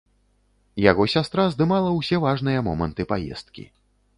Яго сястра здымала ўсе важныя моманты паездкі.